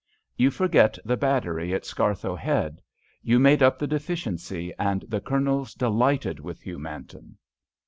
"You forget the battery at Scarthoe Head. You made up the deficiency, and the Colonel's delighted with you, Manton."